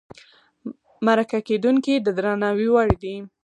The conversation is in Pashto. مرکه کېدونکی د درناوي وړ دی.